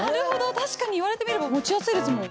確かに言われてみれば持ちやすいですもん。